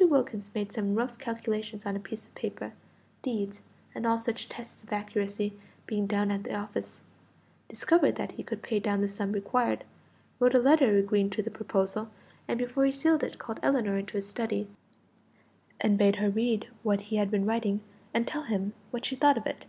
Wilkins made some rough calculations on a piece of paper deeds, and all such tests of accuracy, being down at the office; discovered that he could pay down the sum required; wrote a letter agreeing to the proposal, and before he sealed it called Ellinor into his study, and bade her read what he had been writing and tell him what she thought of it.